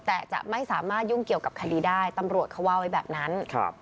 แต่จะไม่สามารถยุ่งเกี่ยวกับคดีได้ตำรวจเขาว่าไว้แบบนั้น